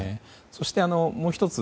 そして、もう１つ。